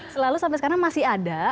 selalu sampai sekarang masih ada